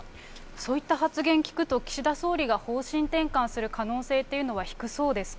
そういった発言聞くと、岸田総理が方針転換する可能性というのは、低そうですか。